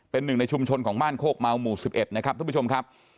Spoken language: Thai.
เป็นหนึ่งในชุมชนของบ้านโคกเมาหมู่๑๑นะครับทุกผู้ชมครับ